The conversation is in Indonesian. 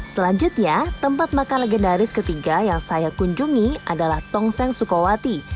selanjutnya tempat makan legendaris ketiga yang saya kunjungi adalah tong seng sukawang